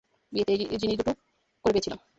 বিয়েতে এই জিনিস দুটো করে পেয়েছিলাম।